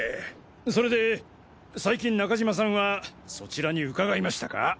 それで最近中島さんはそちらに伺いましたか？